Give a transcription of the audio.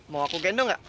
mau aku gendong gak